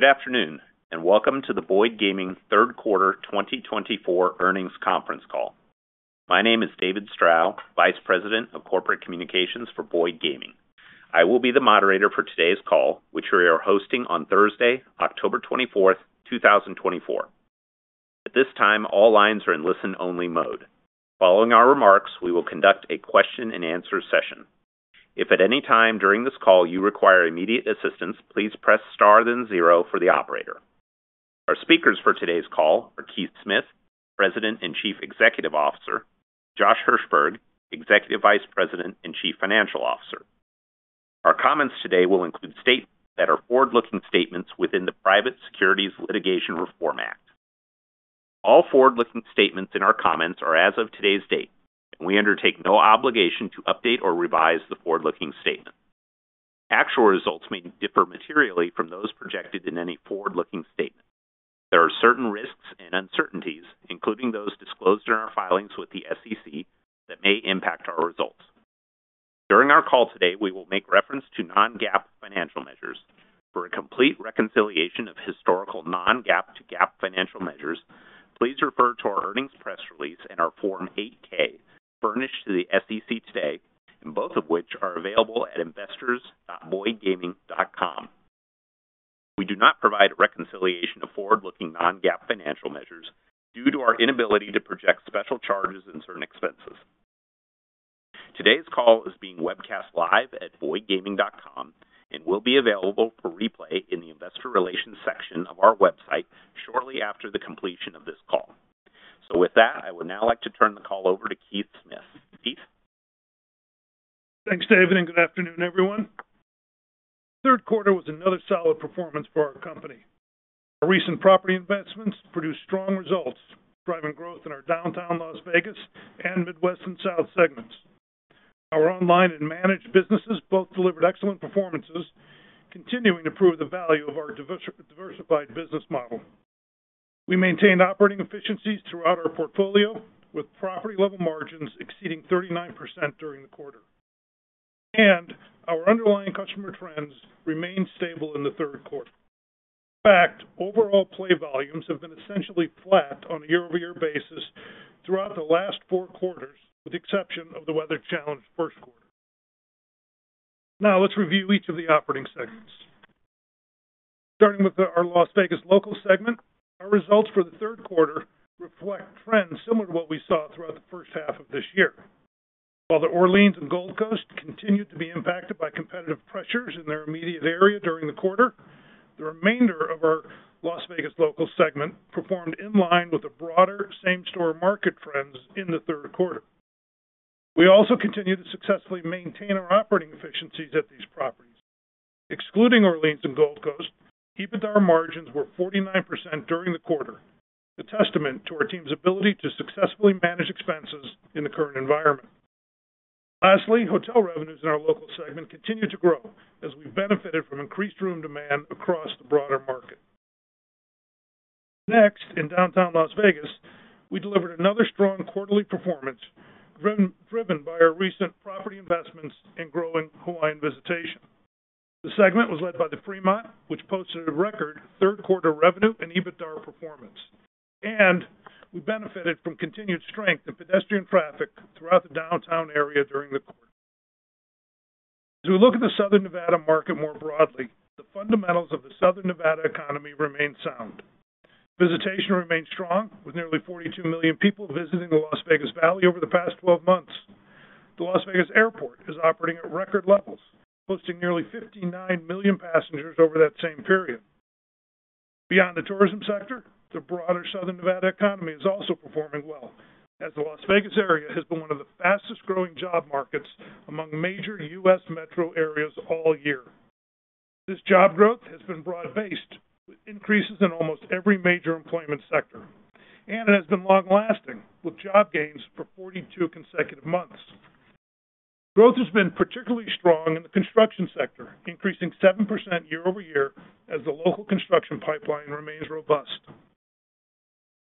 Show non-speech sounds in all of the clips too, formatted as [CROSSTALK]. Good afternoon, and welcome to the Boyd Gaming Third Quarter 2024 Earnings Conference Call. My name is David Stroud, Vice President of Corporate Communications for Boyd Gaming. I will be the moderator for today's call, which we are hosting on Thursday, October 24th, 2024. At this time, all lines are in listen-only mode. Following our remarks, we will conduct a question-and-answer session. If at any time during this call you require immediate assistance, please press Star, then zero for the operator. Our speakers for today's call are Keith Smith, President and Chief Executive Officer, Josh Hirsberg, Executive Vice President and Chief Financial Officer. Our comments today will include statements that are forward-looking statements within the Private Securities Litigation Reform Act. All forward-looking statements in our comments are as of today's date, and we undertake no obligation to update or revise the forward-looking statements. Actual results may differ materially from those projected in any forward-looking statement. There are certain risks and uncertainties, including those disclosed in our filings with the SEC, that may impact our results. During our call today, we will make reference to non-GAAP financial measures. For a complete reconciliation of historical non-GAAP to GAAP financial measures, please refer to our earnings press release and our Form 8-K, furnished to the SEC today, and both of which are available at investors.boydgaming.com. We do not provide a reconciliation of forward-looking non-GAAP financial measures due to our inability to project special charges and certain expenses. Today's call is being webcast live at boydgaming.com and will be available for replay in the Investor Relations section of our website shortly after the completion of this call. So with that, I would now like to turn the call over to Keith Smith. Keith? Thanks, David, and good afternoon, everyone. Third quarter was another solid performance for our company. Our recent property investments produced strong results, driving growth in our downtown Las Vegas and Midwest and South segments. Our online and managed businesses both delivered excellent performances, continuing to prove the value of our diversified business model. We maintained operating efficiencies throughout our portfolio, with property-level margins exceeding 39% during the quarter, and our underlying customer trends remained stable in the third quarter. In fact, overall play volumes have been essentially flat on a year-over-year basis throughout the last four quarters, with the exception of the weather-challenged first quarter. Now, let's review each of the operating segments. Starting with our Las Vegas Locals segment, our results for the third quarter reflect trends similar to what we saw throughout the first half of this year. While the Orleans and Gold Coast continued to be impacted by competitive pressures in their immediate area during the quarter, the remainder of our Las Vegas local segment performed in line with the broader same-store market trends in the third quarter. We also continued to successfully maintain our operating efficiencies at these properties. Excluding Orleans and Gold Coast, EBITDA margins were 49% during the quarter, a testament to our team's ability to successfully manage expenses in the current environment. Lastly, hotel revenues in our local segment continued to grow as we benefited from increased room demand across the broader market. Next, in downtown Las Vegas, we delivered another strong quarterly performance, driven by our recent property investments in growing Hawaiian visitation. The segment was led by the Fremont, which posted a record third quarter revenue and EBITDA performance, and we benefited from continued strength in pedestrian traffic throughout the downtown area during the quarter. As we look at the Southern Nevada market more broadly, the fundamentals of the Southern Nevada economy remain sound. Visitation remains strong, with nearly forty-two million people visiting the Las Vegas Valley over the past twelve months. The Las Vegas Airport is operating at record levels, hosting nearly fifty-nine million passengers over that same period. Beyond the tourism sector, the broader Southern Nevada economy is also performing well, as the Las Vegas area has been one of the fastest-growing job markets among major U.S. metro areas all year. This job growth has been broad-based, with increases in almost every major employment sector, and it has been long-lasting, with job gains for forty-two consecutive months. Growth has been particularly strong in the construction sector, increasing 7% year over year as the local construction pipeline remains robust.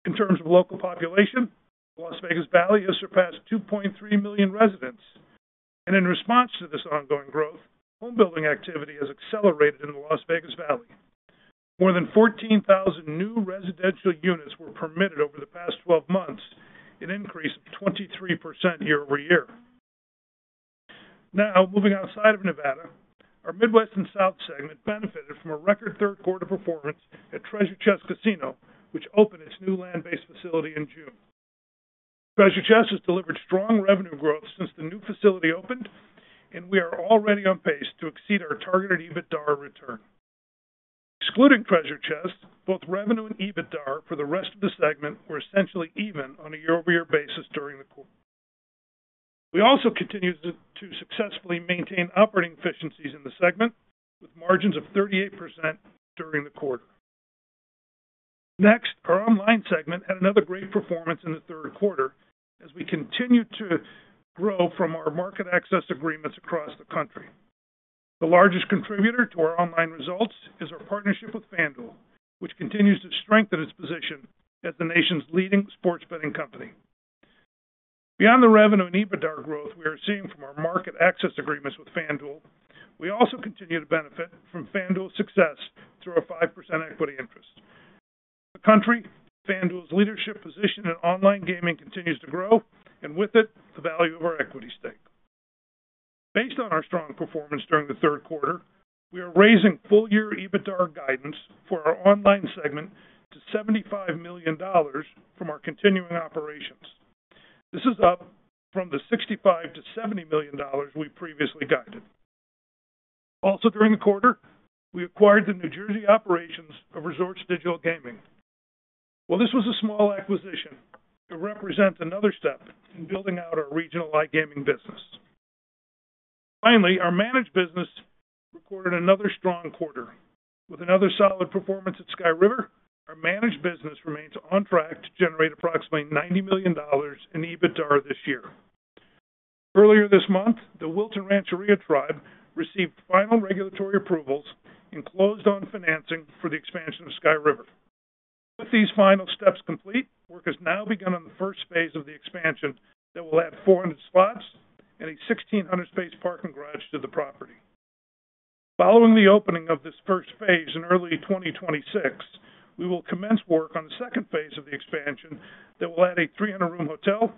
In terms of local population, Las Vegas Valley has surpassed 2.3 million residents, and in response to this ongoing growth, home building activity has accelerated in the Las Vegas Valley. More than 14,000 new residential units were permitted over the past 12 months, an increase of 23% year over year. Now, moving outside of Nevada, our Midwest and South segment benefited from a record third quarter performance at Treasure Chest Casino, which opened its new land-based facility in June. Treasure Chest has delivered strong revenue growth since the new facility opened, and we are already on pace to exceed our targeted EBITDA return. Excluding Treasure Chest, both revenue and EBITDA for the rest of the segment were essentially even on a year-over-year basis during the quarter. We also continued to successfully maintain operating efficiencies in the segment, with margins of 38% during the quarter. Next, our online segment had another great performance in the third quarter as we continued to grow from our market access agreements across the country. The largest contributor to our online results is our partnership with FanDuel, which continues to strengthen its position as the nation's leading sports betting company. Beyond the revenue and EBITDA growth we are seeing from our market access agreements with FanDuel, we also continue to benefit from FanDuel's success through our 5% equity interest. Across the country, FanDuel's leadership position in online gaming continues to grow, and with it, the value of our equity stake. Based on our strong performance during the third quarter, we are raising full-year EBITDA guidance for our online segment to $75 million from our continuing operations. This is up from the $65 million-$70 million we previously guided. Also, during the quarter, we acquired the New Jersey operations of Resorts Digital Gaming. While this was a small acquisition, it represents another step in building out our regional iGaming business. Finally, our managed business recorded another strong quarter. With another solid performance at Sky River, our managed business remains on track to generate approximately $90 million in EBITDA this year. Earlier this month, the Wilton Rancheria Tribe received final regulatory approvals and closed on financing for the expansion of Sky River. With these final steps complete, work has now begun on the first phase of the expansion that will add 400 slots and a 1,600-space parking garage to the property. Following the opening of this first phase in early 2026, we will commence work on the second phase of the expansion that will add a 300-room hotel,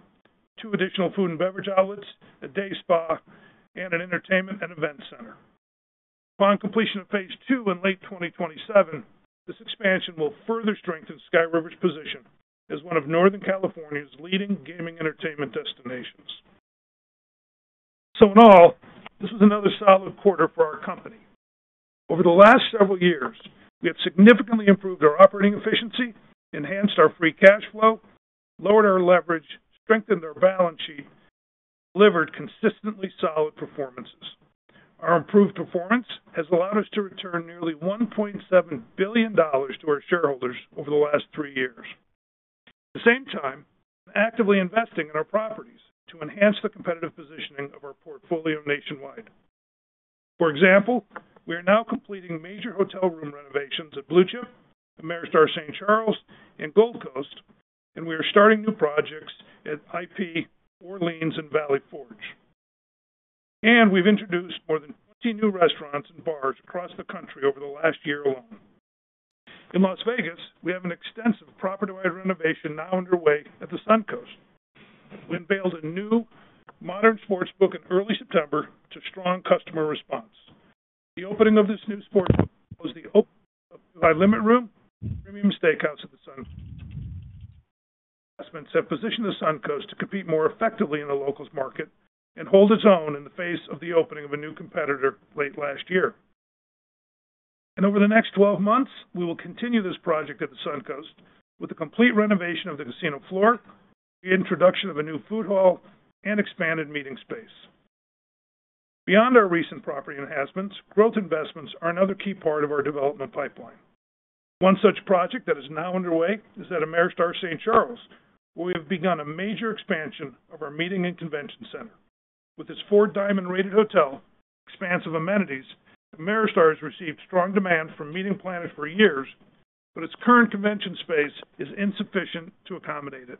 two additional food and beverage outlets, a day spa, and an entertainment and event center. Upon completion of phase two in late 2027, this expansion will further strengthen Sky River's position as one of Northern California's leading gaming entertainment destinations. So in all, this is another solid quarter for our company. Over the last several years, we have significantly improved our operating efficiency, enhanced our free cash flow, lowered our leverage, strengthened our balance sheet, and delivered consistently solid performances. Our improved performance has allowed us to return nearly $1.7 billion to our shareholders over the last three years. At the same time, we're actively investing in our properties to enhance the competitive positioning of our portfolio nationwide. For example, we are now completing major hotel room renovations at Blue Chip, Ameristar St. Charles, and Gold Coast, and we are starting new projects at IP, Orleans, and Valley Forge, and we've introduced more than 20 new restaurants and bars across the country over the last year alone. In Las Vegas, we have an extensive property-wide renovation now underway at the Suncoast. We unveiled a new modern sportsbook in early September to strong customer response. The opening of this new sportsbook was the opening of high limit room, premium steakhouse at the Sun. Investments have positioned the Suncoast to compete more effectively in the locals market and hold its own in the face of the opening of a new competitor late last year. And over the next twelve months, we will continue this project at the Suncoast with a complete renovation of the casino floor, the introduction of a new food hall, and expanded meeting space. Beyond our recent property enhancements, growth investments are another key part of our development pipeline. One such project that is now underway is at Ameristar St. Charles, where we have begun a major expansion of our meeting and convention center. With its Four Diamond-rated hotel, expansive amenities, Ameristar has received strong demand from meeting planners for years, but its current convention space is insufficient to accommodate it.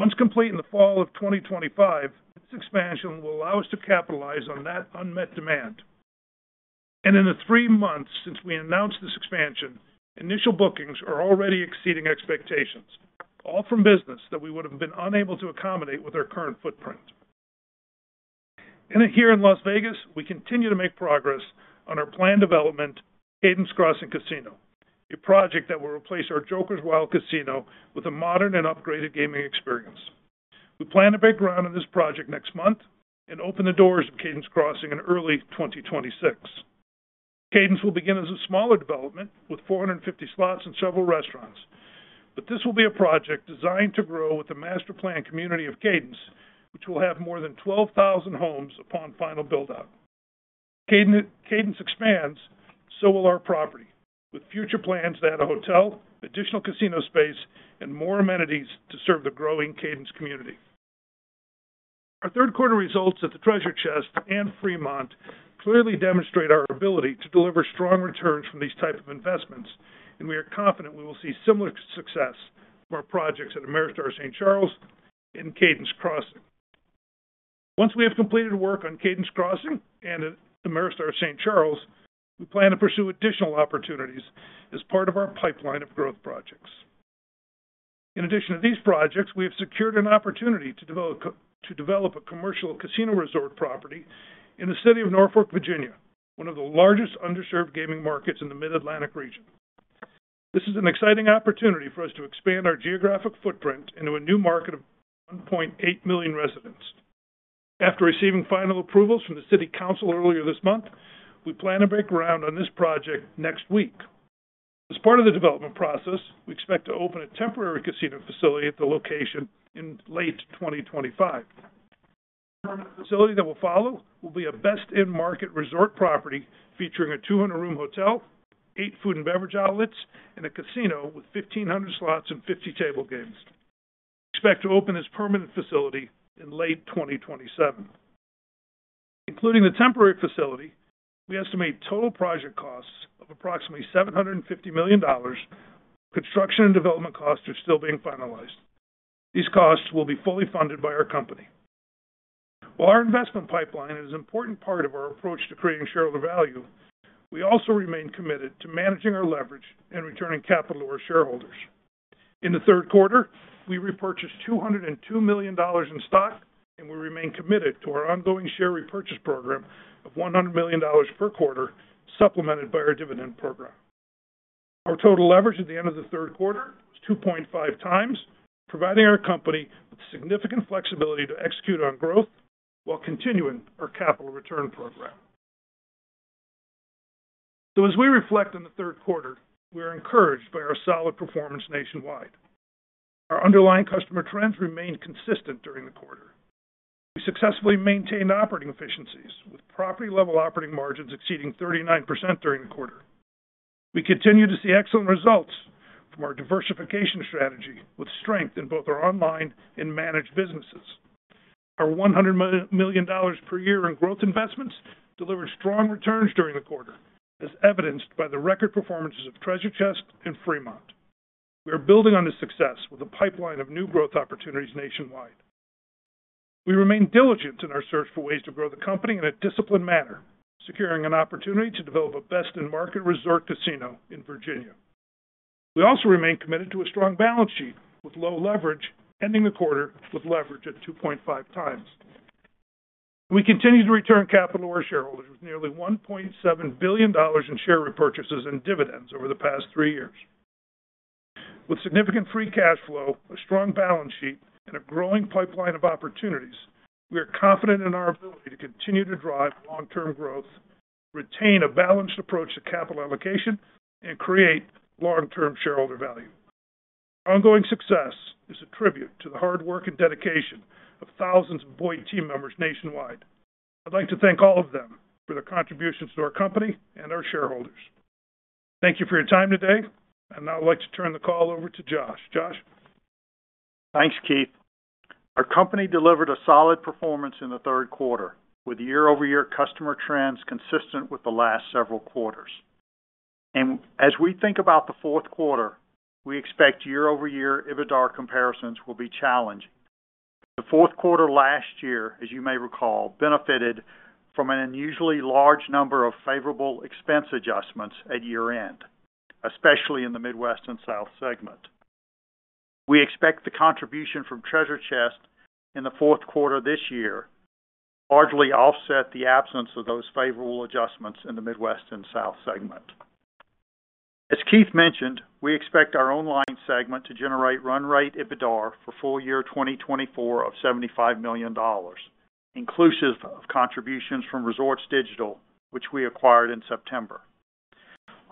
Once complete in the fall of 2025, this expansion will allow us to capitalize on that unmet demand. In the three months since we announced this expansion, initial bookings are already exceeding expectations, all from business that we would have been unable to accommodate with our current footprint. Then here in Las Vegas, we continue to make progress on our planned development, Cadence Crossing Casino, a project that will replace our Jokers Wild Casino with a modern and upgraded gaming experience. We plan to break ground on this project next month and open the doors of Cadence Crossing in early 2026. Cadence will begin as a smaller development with 450 slots and several restaurants, but this will be a project designed to grow with the master-planned community of Cadence, which will have more than 12,000 homes upon final build-out. Cadence expands, so will our property, with future plans to add a hotel, additional casino space, and more amenities to serve the growing Cadence community. Our third quarter results at the Treasure Chest and Fremont clearly demonstrate our ability to deliver strong returns from these types of investments, and we are confident we will see similar success for our projects at Ameristar St. Charles and Cadence Crossing. Once we have completed work on Cadence Crossing and at Ameristar St. Charles, we plan to pursue additional opportunities as part of our pipeline of growth projects. In addition to these projects, we have secured an opportunity to develop a commercial casino resort property in the city of Norfolk, Virginia, one of the largest underserved gaming markets in the Mid-Atlantic region. This is an exciting opportunity for us to expand our geographic footprint into a new market of 1.8 million residents. After receiving final approvals from the city council earlier this month, we plan to break ground on this project next week. As part of the development process, we expect to open a temporary casino facility at the location in late 2025. The permanent facility that will follow will be a best-in-market resort property, featuring a 200-room hotel, eight food and beverage outlets, and a casino with 1,500 slots and 50 table games. We expect to open this permanent facility in late 2027. Including the temporary facility, we estimate total project costs of approximately $750 million. Construction and development costs are still being finalized. These costs will be fully funded by our company. While our investment pipeline is an important part of our approach to creating shareholder value, we also remain committed to managing our leverage and returning capital to our shareholders. In the third quarter, we repurchased $202 million in stock, and we remain committed to our ongoing share repurchase program of $100 million per quarter, supplemented by our dividend program. Our total leverage at the end of the third quarter was 2.5x, providing our company with significant flexibility to execute on growth while continuing our capital return program. So as we reflect on the third quarter, we are encouraged by our solid performance nationwide. Our underlying customer trends remained consistent during the quarter. We successfully maintained operating efficiencies, with property-level operating margins exceeding 39% during the quarter. We continue to see excellent results from our diversification strategy, with strength in both our online and managed businesses. Our $100 million per year in growth investments delivered strong returns during the quarter, as evidenced by the record performances of Treasure Chest and Fremont. We are building on this success with a pipeline of new growth opportunities nationwide. We remain diligent in our search for ways to grow the company in a disciplined manner, securing an opportunity to develop a best-in-market resort casino in Virginia. We also remain committed to a strong balance sheet with low leverage, ending the quarter with leverage at 2.5x. We continue to return capital to our shareholders, with nearly $1.7 billion in share repurchases and dividends over the past three years. With significant free cash flow, a strong balance sheet, and a growing pipeline of opportunities, we are confident in our ability to continue to drive long-term growth, retain a balanced approach to capital allocation, and create long-term shareholder value. Ongoing success is a tribute to the hard work and dedication of thousands of Boyd team members nationwide. I'd like to thank all of them for their contributions to our company and our shareholders. Thank you for your time today, and now I'd like to turn the call over to Josh. Josh? Thanks, Keith. Our company delivered a solid performance in the third quarter, with year-over-year customer trends consistent with the last several quarters. And as we think about the fourth quarter, we expect year-over-year EBITDA comparisons will be challenging. The fourth quarter last year, as you may recall, benefited from an unusually large number of favorable expense adjustments at year-end, especially in the Midwest and South segment. We expect the contribution from Treasure Chest in the fourth quarter this year largely offset the absence of those favorable adjustments in the Midwest and South segment. As Keith mentioned, we expect our online segment to generate run rate EBITDA for full year 2024 of $75 million, inclusive of contributions from Resorts Digital, which we acquired in September.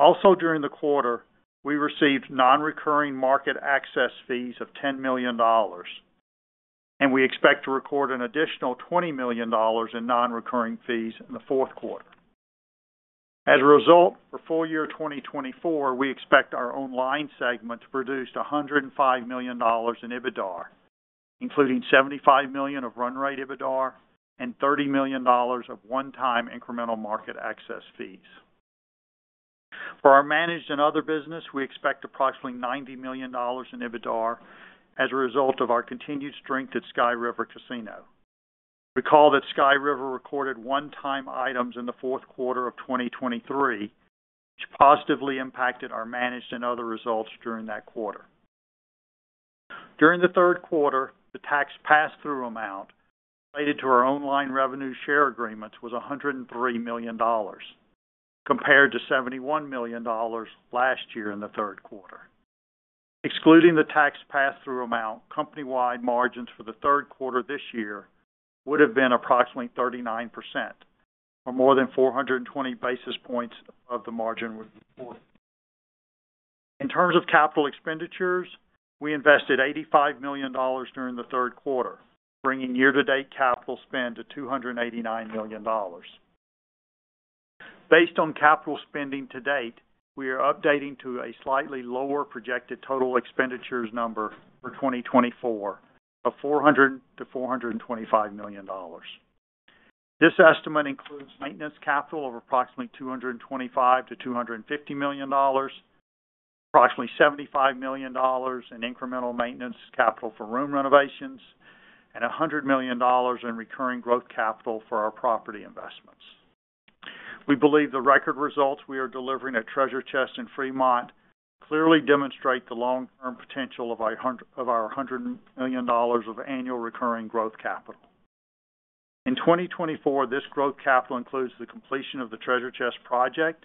Also during the quarter, we received non-recurring market access fees of $10 million, and we expect to record an additional $20 million in non-recurring fees in the fourth quarter. As a result, for full year 2024, we expect our online segment to produce $105 million in EBITDA, including $75 million of run rate EBITDA and $30 million of one-time incremental market access fees. For our managed and other business, we expect approximately $90 million in EBITDA as a result of our continued strength at Sky River Casino. Recall that Sky River recorded one-time items in the fourth quarter of 2023, which positively impacted our managed and other results during that quarter. During the third quarter, the tax pass-through amount related to our online revenue share agreements was $103 million, compared to $71 million last year in the third quarter. Excluding the tax pass-through amount, company-wide margins for the third quarter this year would have been approximately 39% or more than 420 basis points of the margin we reported. In terms of capital expenditures, we invested $85 million during the third quarter, bringing year-to-date capital spend to $289 million. Based on capital spending to date, we are updating to a slightly lower projected total expenditures number for 2024 of $400 million-$425 million. This estimate includes maintenance capital of approximately $225 million-$250 million, approximately $75 million in incremental maintenance capital for room renovations, and $100 million in recurring growth capital for our property investments. We believe the record results we are delivering at Treasure Chest and Fremont clearly demonstrate the long-term potential of our $100 million of annual recurring growth capital. In 2024, this growth capital includes the completion of the Treasure Chest project,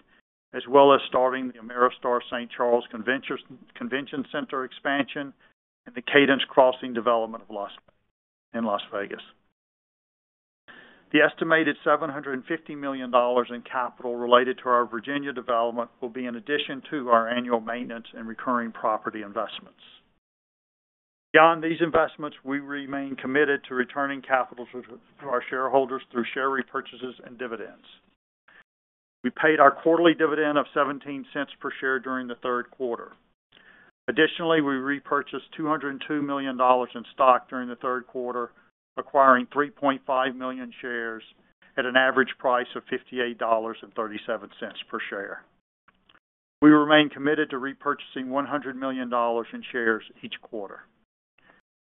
as well as starting the Ameristar St. Charles Convention Center expansion and the Cadence Crossing development in Las Vegas. The estimated $750 million in capital related to our Virginia development will be in addition to our annual maintenance and recurring property investments. Beyond these investments, we remain committed to returning capital to our shareholders through share repurchases and dividends. We paid our quarterly dividend of $0.17 per share during the third quarter. Additionally, we repurchased $202 million in stock during the third quarter, acquiring 3.5 million shares at an average price of $58.37 per share. We remain committed to repurchasing $100 million in shares each quarter.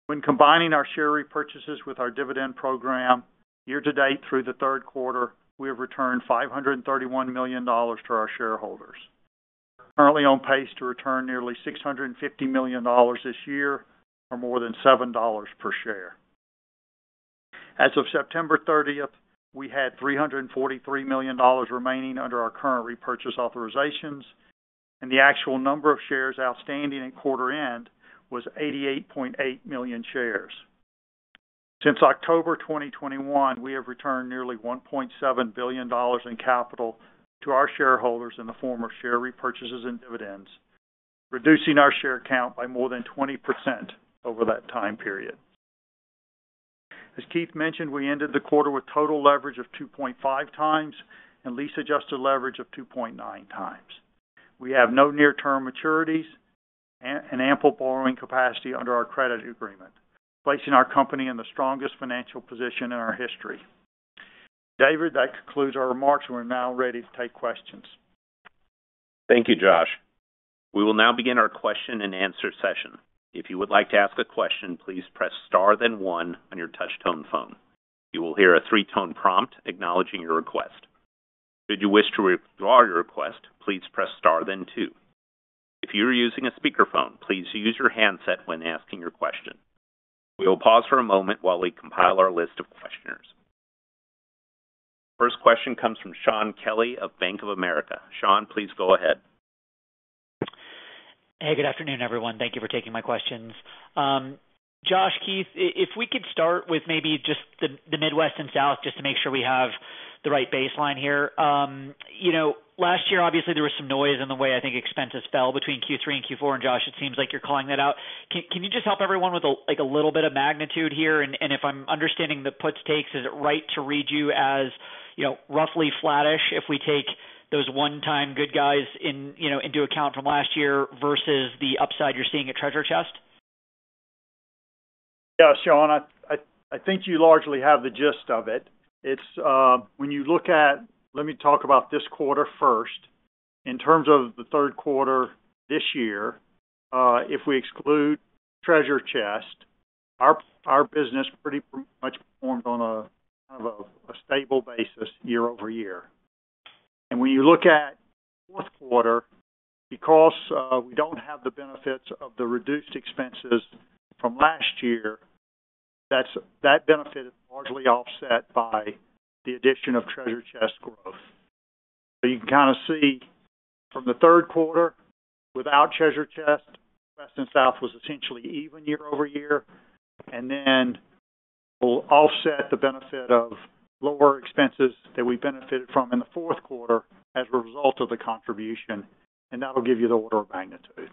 When combining our share repurchases with our dividend program, year to date through the third quarter, we have returned $531 million to our shareholders. Currently on pace to return nearly $650 million this year, or more than $7 per share. As of September thirtieth, we had $343 million remaining under our current repurchase authorizations, and the actual number of shares outstanding at quarter end was 88.8 million shares. Since October 2021, we have returned nearly $1.7 billion in capital to our shareholders in the form of share repurchases and dividends, reducing our share count by more than 20% over that time period. As Keith mentioned, we ended the quarter with total leverage of 2.5x and lease-adjusted leverage of 2.9x. We have no near-term maturities and ample borrowing capacity under our credit agreement, placing our company in the strongest financial position in our history. David, that concludes our remarks. We're now ready to take questions. Thank you, Josh. We will now begin our question-and-answer session. If you would like to ask a question, please press Star then one on your touch-tone phone. You will hear a three-tone prompt acknowledging your request. Should you wish to withdraw your request, please press Star then two. If you are using a speakerphone, please use your handset when asking your question. We will pause for a moment while we compile our list of questioners. First question comes from Shaun Kelley of Bank of America. Shaun, please go ahead. Hey, good afternoon, everyone. Thank you for taking my questions. Josh, Keith, if we could start with maybe just the Midwest and South, just to make sure we have the right baseline here. You know, last year, obviously, there was some noise in the way, I think, expenses fell between Q3 and Q4, and Josh, it seems like you're calling that out. Can you just help everyone with a, like, a little bit of magnitude here? And if I'm understanding the puts takes, is it right to read you as, you know, roughly flattish, if we take those one-time good guys in, you know, into account from last year versus the upside you're seeing at Treasure Chest? Yeah, Shaun, I think you largely have the gist of it. It's when you look at. Let me talk about this quarter first. In terms of the third quarter this year, if we exclude Treasure Chest, our business pretty much performed on a kind of stable basis year over year. And when you look at fourth quarter, because we don't have the benefits of the reduced expenses from last year, that's that benefit is largely offset by the addition of Treasure Chest growth. So you can kind of see from the third quarter, without Treasure Chest, Midwest and South was essentially even year over year, and then we'll offset the benefit of lower expenses that we benefited from in the fourth quarter as a result of the contribution, and that'll give you the order of magnitude.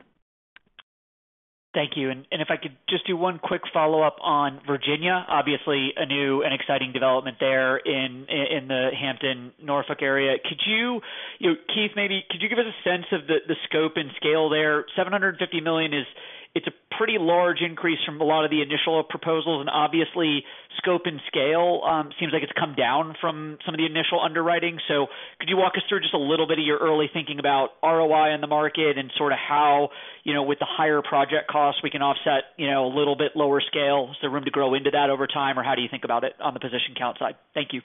Thank you, and if I could just do one quick follow-up on Virginia. Obviously, a new and exciting development there in the Hampton, Norfolk area. Could you, you know, Keith, maybe could you give us a sense of the scope and scale there? $750 million is, it's a pretty large increase from a lot of the initial proposals, and obviously, scope and scale seems like it's come down from some of the initial underwriting. So could you walk us through just a little bit of your early thinking about ROI in the market and sort of how, you know, with the higher project costs, we can offset, you know, a little bit lower scale? Is there room to grow into that over time, or how do you think about it on the position count side? Thank you.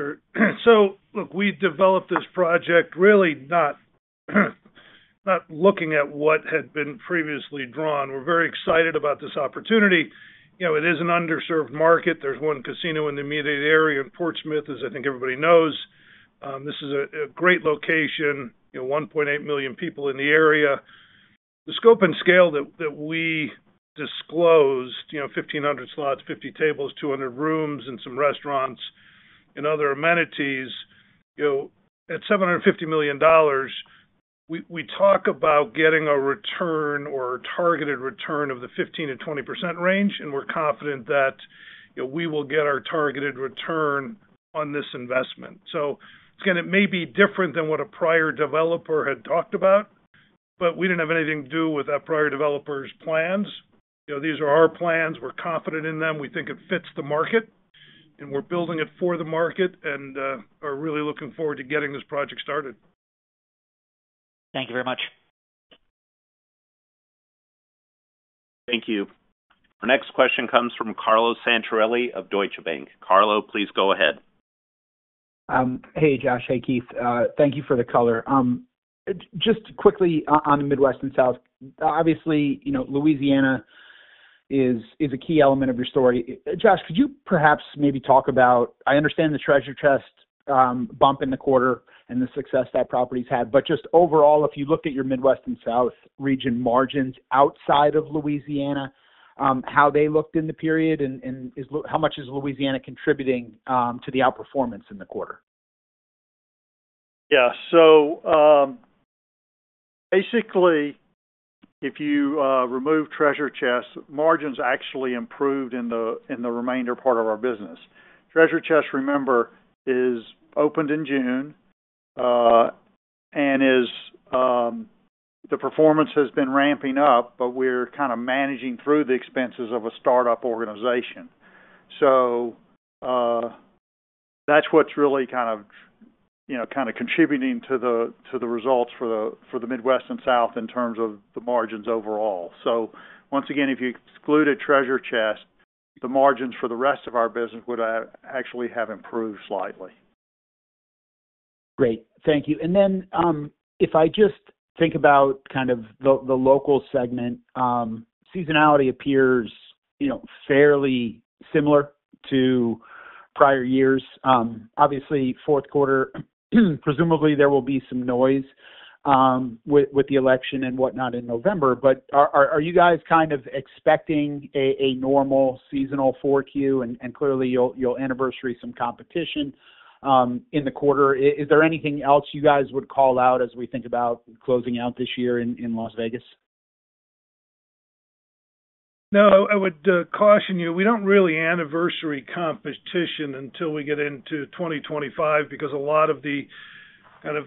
Sure. So look, we developed this project really not looking at what had been previously drawn. We're very excited about this opportunity. You know, it is an underserved market. There's one casino in the immediate area, in Portsmouth, as I think everybody knows. This is a great location, you know, 1.8 million people in the area. The scope and scale that we disclosed, you know, 1,500 slots, 50 tables, 200 rooms, and some restaurants and other amenities, you know, at $750 million, we talk about getting a return or a targeted return of the 15%-20% range, and we're confident that, you know, we will get our targeted return on this investment. So again, it may be different than what a prior developer had talked about, but we didn't have anything to do with that prior developer's plans. You know, these are our plans. We're confident in them. We think it fits the market, and we're building it for the market and are really looking forward to getting this project started. Thank you very much. Thank you. Our next question comes from Carlo Santorelli of Deutsche Bank. Carlo, please go ahead. Hey, Josh. Hey, Keith. Thank you for the color. Just quickly on the Midwest and South. Obviously, you know, Louisiana is a key element of your story. Josh, could you perhaps maybe talk about—I understand the Treasure Chest bump in the quarter and the success that property's had, but just overall, if you looked at your Midwest and South region margins outside of Louisiana, how they looked in the period and how much is Louisiana contributing to the outperformance in the quarter? Yeah. So basically, if you remove Treasure Chest, margins actually improved in the remainder part of our business. Treasure Chest, remember, is opened in June, and is the performance has been ramping up, but we're kind of managing through the expenses of a startup organization. So that's what's really kind of, you know, kind of contributing to the results for the Midwest and South in terms of the margins overall. So once again, if you excluded Treasure Chest, the margins for the rest of our business would actually have improved slightly. Great. Thank you. And then, if I just think about kind of the local segment, seasonality appears, you know, fairly similar to prior years. Obviously, fourth quarter, presumably there will be some noise, with the election and whatnot in November, but are you guys kind of expecting a normal seasonal four Q? And clearly, you'll anniversary some competition in the quarter. Is there anything else you guys would call out as we think about closing out this year in Las Vegas? No, I would caution you. We don't really anniversary competition until we get into 2025, because a lot of the kind of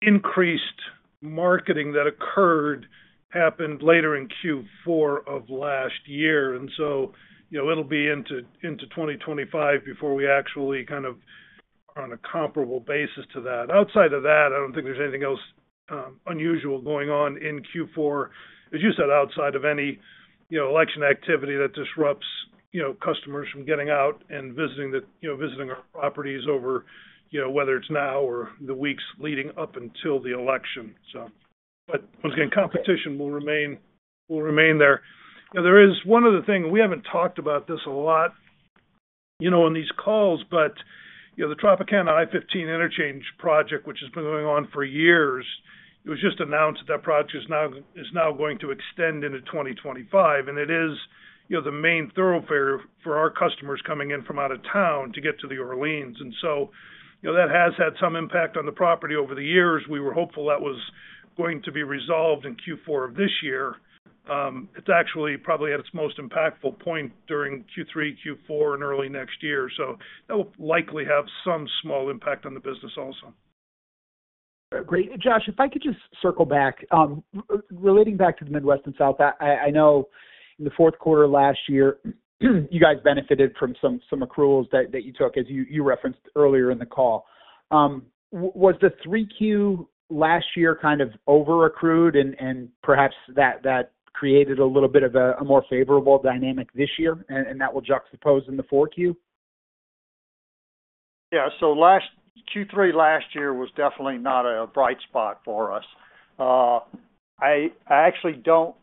increased marketing that occurred happened later in Q4 of last year. And so, you know, it'll be into 2025 before we actually kind of on a comparable basis to that. Outside of that, I don't think there's anything else unusual going on in Q4, as you said, outside of any, you know, election activity that disrupts, you know, customers from getting out and visiting the, you know, visiting our properties over, you know, whether it's now or the weeks leading up until the election. So, but once again, competition will remain there. Now, there is one other thing. We haven't talked about this a lot, you know, on these calls, but, you know, the I-15 Tropicana interchange project, which has been going on for years, it was just announced that project is now, is now going to extend into 2025. And it is, you know, the main thoroughfare for our customers coming in from out of town to get to the Orleans. And so, you know, that has had some impact on the property over the years. We were hopeful that was going to be resolved in Q4 of this year. It's actually probably at its most impactful point during Q3, Q4, and early next year, so that will likely have some small impact on the business also. Great. Josh, if I could just circle back. Relating back to the Midwest and South, I know in the fourth quarter of last year, you guys benefited from some accruals that you took, as you referenced earlier in the call. Was the 3Q last year kind of over accrued and perhaps that created a little bit of a more favorable dynamic this year, and that will juxtapose in the 4Q? Yeah. So last Q3 last year was definitely not a bright spot for us. I actually don't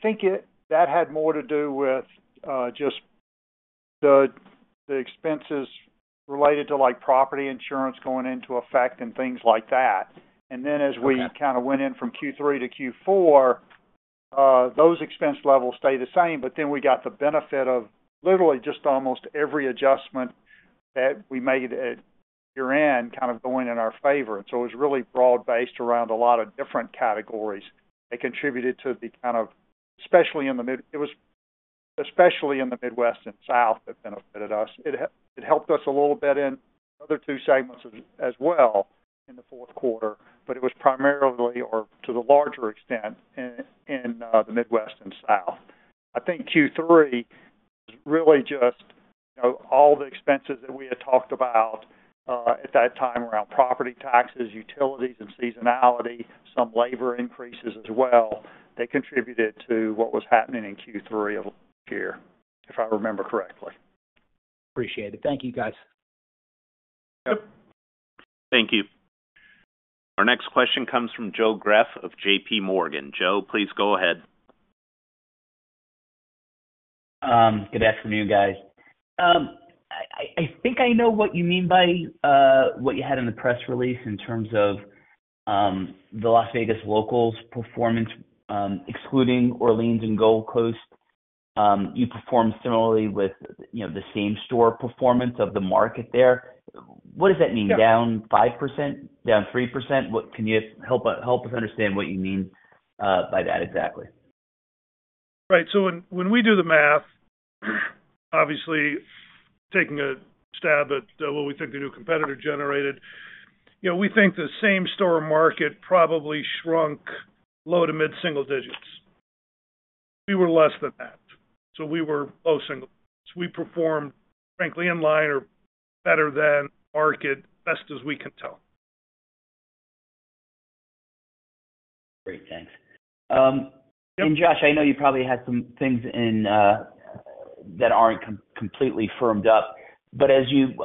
think that had more to do with just the expenses related to, like, property insurance going into effect and things like that. Okay. And then, as we kind of went in from Q3 to Q4, those expense levels stayed the same, but then we got the benefit of literally just almost every adjustment that we made at year-end, kind of going in our favor. And so it was really broad-based around a lot of different categories. It contributed to the kind of, especially in the Midwest and South, that benefited us. It helped us a little bit in the other two segments as well in the fourth quarter, but it was primarily or to the larger extent in the Midwest and South. I think Q3 was really just, you know, all the expenses that we had talked about at that time, around property taxes, utilities, and seasonality, some labor increases as well. They contributed to what was happening in Q3 of last year, if I remember correctly. Appreciate it. Thank you, guys. Yep. Thank you. Our next question comes from Joe Greff of J.P. Morgan. Joe, please go ahead. Good afternoon, guys. I think I know what you mean by what you had in the press release in terms of the Las Vegas locals performance, excluding Orleans and Gold Coast. You performed similarly with, you know, the same store performance of the market there. What does that mean? Yeah. Down 5%? Down 3%? What can you help us understand what you mean by that exactly? Right. So when we do the math, obviously taking a stab at what we think the new competitor generated, you know, we think the same store market probably shrunk low to mid single digits. We were less than that, so we were low single digits. We performed, frankly, in line or better than market, best as we can tell. Great, thanks. And Josh, I know you probably have some things in that aren't completely firmed up, but as you, you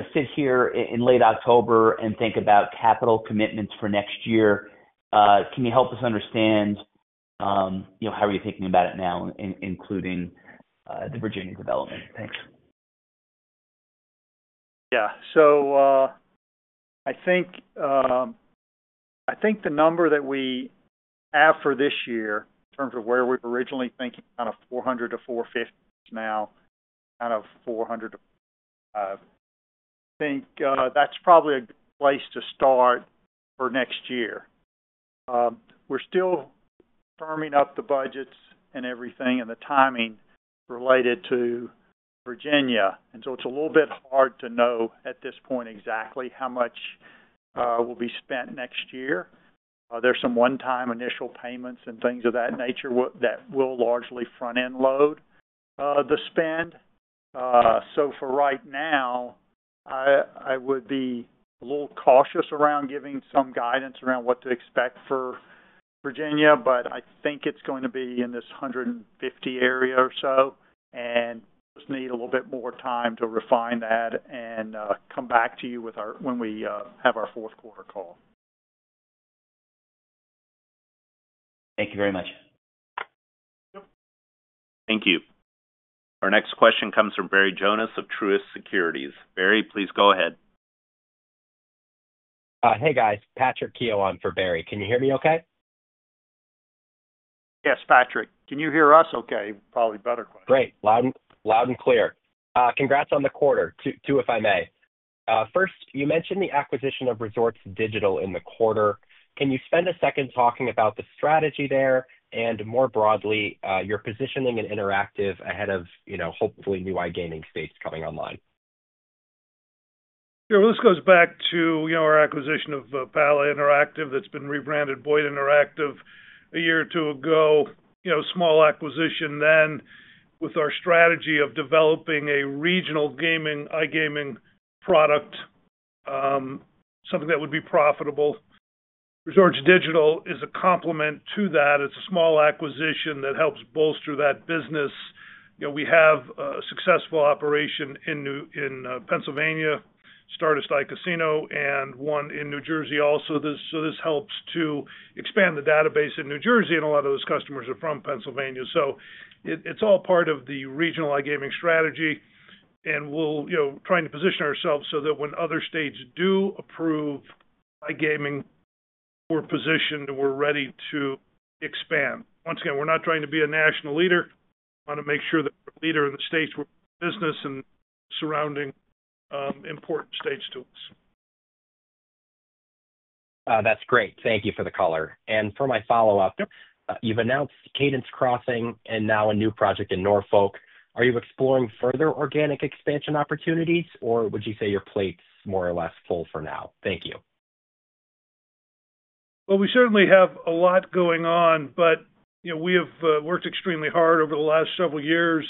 know, sit here in late October and think about capital commitments for next year, can you help us understand, you know, how are you thinking about it now, including the Virginia development? Thanks. Yeah. So, I think, I think the number that we have for this year, in terms of where we're originally thinking, kind of 400 to 450 now, kind of 400 to 500. I think that's probably a good place to start for next year. We're still firming up the budgets and everything and the timing related to Virginia, and so it's a little bit hard to know at this point exactly how much will be spent next year. There's some one-time initial payments and things of that nature that will largely front-end load the spend. So for right now, I would be a little cautious around giving some guidance around what to expect for Virginia, but I think it's going to be in this hundred and fifty area or so, and just need a little bit more time to refine that and come back to you with our when we have our fourth quarter call. Thank you very much. Thank you. Our next question comes from Barry Jonas of Truist Securities. Barry, please go ahead. Hey, guys. Patrick Keon on for Barry. Can you hear me okay? Yes, Patrick, can you hear us okay? Probably a better question. Great, loud and clear. Congrats on the quarter. Q2, if I may. First, you mentioned the acquisition of Resorts Digital in the quarter. Can you spend a second talking about the strategy there and more broadly, your positioning in interactive ahead of, you know, hopefully new iGaming states coming online? Sure. Well, this goes back to, you know, our acquisition of Pala Interactive. That's been rebranded Boyd Interactive a year or two ago. You know, small acquisition then, with our strategy of developing a regional gaming, iGaming product, something that would be profitable. Resorts Digital is a complement to that. It's a small acquisition that helps bolster that business. You know, we have a successful operation in Pennsylvania, Stardust Casino, and one in New Jersey also. So this helps to expand the database in New Jersey, and a lot of those customers are from Pennsylvania. So it, it's all part of the regional iGaming strategy, and we'll, you know, trying to position ourselves so that when other states do approve iGaming, we're positioned and we're ready to expand. Once again, we're not trying to be a national leader. We want to make sure that we're a leader in the states, we're in business and surrounding, important states to us. That's great. Thank you for the color. And for my follow-up. You've announced Cadence Crossing and now a new project in Norfolk. Are you exploring further organic expansion opportunities, or would you say your plate's more or less full for now? Thank you. We certainly have a lot going on, but, you know, we have worked extremely hard over the last several years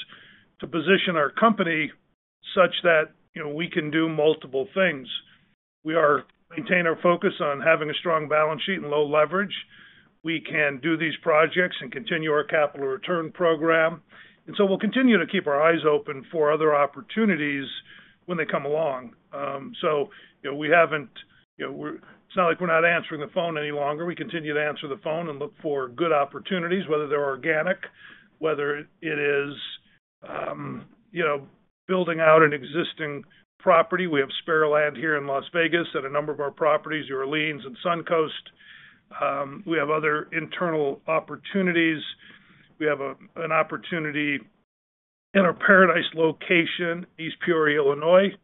to position our company such that, you know, we can do multiple things. We maintain our focus on having a strong balance sheet and low leverage. We can do these projects and continue our capital return program, and so we'll continue to keep our eyes open for other opportunities when they come along. So, you know, we haven't, you know, it's not like we're not answering the phone any longer. We continue to answer the phone and look for good opportunities, whether they're organic, whether it is, you know, building out an existing property. We have spare land here in Las Vegas at a number of our properties, New Orleans and Suncoast. We have other internal opportunities. We have an opportunity in our Par-A-Dice location, East Peoria, Illinois,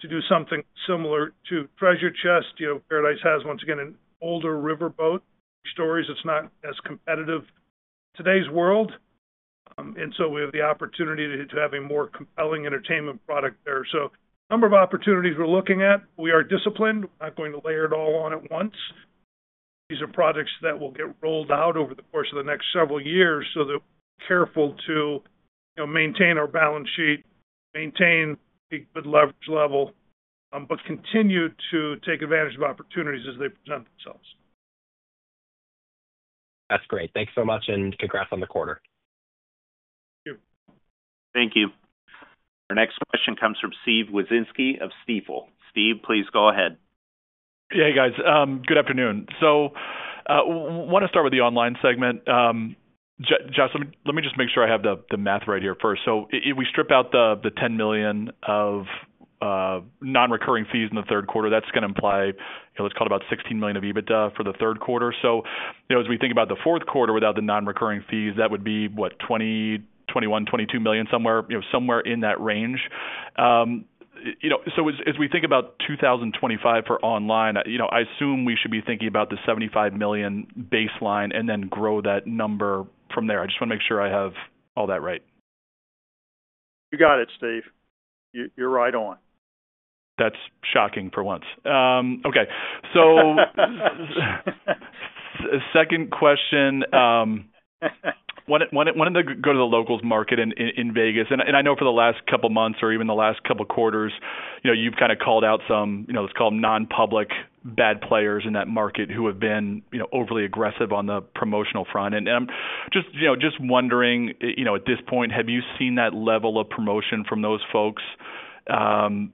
to do something similar to Treasure Chest. You know, Par-A-Dice has, once again, an older riverboat structure. It's not as competitive in today's world, and so we have the opportunity to have a more compelling entertainment product there. So a number of opportunities we're looking at, we are disciplined. We're not going to layer it all on at once. These are projects that will get rolled out over the course of the next several years, so they're careful to, you know, maintain our balance sheet, maintain a good leverage level, but continue to take advantage of opportunities as they present themselves. That's great. Thank you so much, and congrats on the quarter. Thank you. Thank you. Our next question comes from Steve Wieczynski of Stifel. Steve, please go ahead. Hey, guys. Good afternoon. Want to start with the online segment. Josh, let me just make sure I have the math right here first. So if we strip out the $10 million of non-recurring fees in the third quarter, that's going to imply, let's call it, about $16 million of EBITDA for the third quarter. You know, as we think about the fourth quarter, without the non-recurring fees, that would be, what? $20 million-$22 million, somewhere in that range. You know, so as we think about 2025 for online, you know, I assume we should be thinking about the $75 million baseline and then grow that number from there. I just want to make sure I have all that right. You got it, Steve. You're right on. That's shocking for once. Okay. Second question. Wanted to go to the locals market in Vegas, and I know for the last couple of months or even the last couple of quarters, you know, you've kind of called out some, you know, let's call them non-public bad players in that market who have been, you know, overly aggressive on the promotional front. Just wondering, you know, at this point, have you seen that level of promotion from those folks,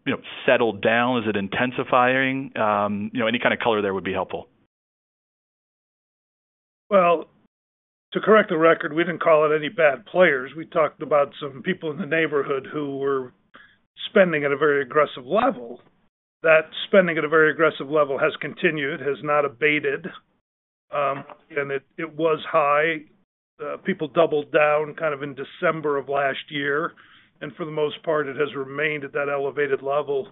you know, settle down? Is it intensifying? Any kind of color there would be helpful. To correct the record, we didn't call it any bad players. We talked about some people in the neighborhood who were spending at a very aggressive level. That spending at a very aggressive level has continued, has not abated. And it was high. People doubled down kind of in December of last year, and for the most part, it has remained at that elevated level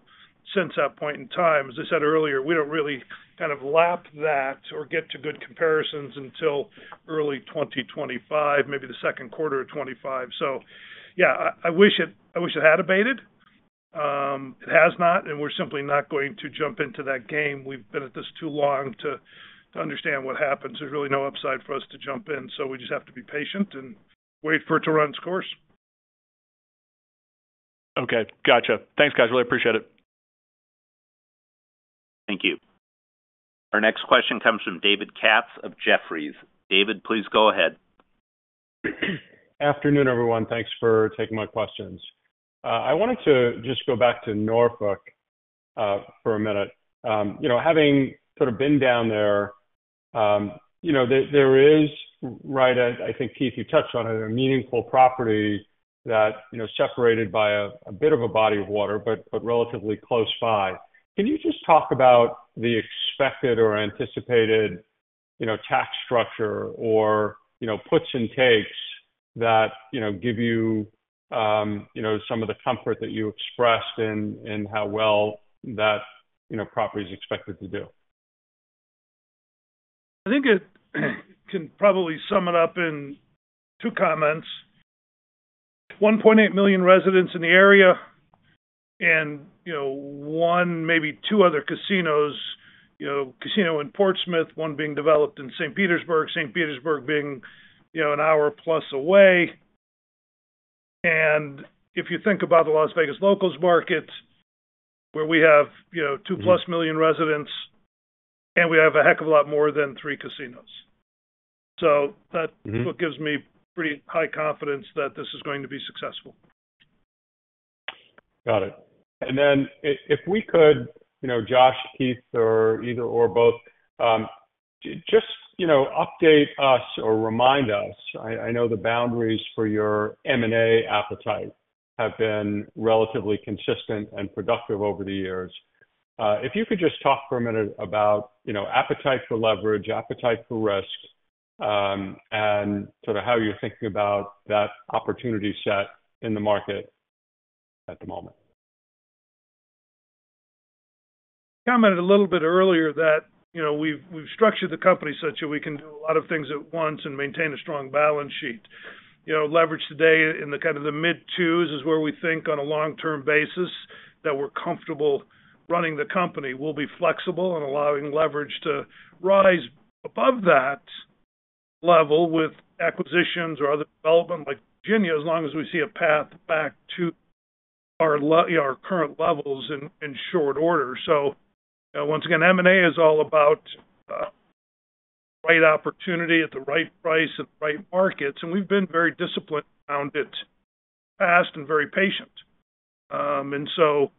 since that point in time. As I said earlier, we don't really kind of lap that or get to good comparisons until early 2025, maybe the second quarter of 2025. Yeah, I wish it had abated. It has not, and we're simply not going to jump into that game. We've been at this too long to understand what happens. There's really no upside for us to jump in, so we just have to be patient and wait for it to run its course. Okay. Gotcha. Thanks, guys. Really appreciate it. Thank you. Our next question comes from David Katz of Jefferies. David, please go ahead. Afternoon, everyone. Thanks for taking my questions. I wanted to just go back to Norfolk for a minute. You know, having sort of been down there, you know, there is, right, I think, Keith, you touched on it, a meaningful property that, you know, separated by a bit of a body of water, but relatively close by. Can you just talk about the expected or anticipated, you know, tax structure or, you know, puts and takes that, you know, give you some of the comfort that you expressed in how well that, you know, property is expected to do? I think it can probably sum it up in two comments. 1.8 million residents in the area and, you know, one, maybe two other casinos, you know, casino in Portsmouth, one being developed in St. Petersburg. St. Petersburg being, you know, an hour plus away. And if you think about the Las Vegas locals market, where we have, you know, 2 million+ residents, and we have a heck of a lot more than three casinos. So that- Mm-hmm. is what gives me pretty high confidence that this is going to be successful. Got it. And then if we could, you know, Josh, Keith, or either or both, just, you know, update us or remind us. I know the boundaries for your M&A appetite have been relatively consistent and productive over the years. If you could just talk for a minute about, you know, appetite for leverage, appetite for risk, and sort of how you're thinking about that opportunity set in the market at the moment. Commented a little bit earlier that, you know, we've structured the company such that we can do a lot of things at once and maintain a strong balance sheet. You know, leverage today in the kind of mid twos is where we think on a long-term basis that we're comfortable running the company. We'll be flexible in allowing leverage to rise above that level with acquisitions or other development like Virginia, as long as we see a path back to our current levels in short order. So, once again, M&A is all about right opportunity at the right price, at the right markets, and we've been very disciplined around it, fast and very patient. And so